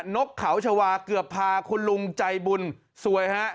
นกเขาชาวาเกือบพาคุณลุงใจบุญสวยฮะ